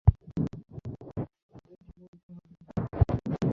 এটা বলতেই হবে।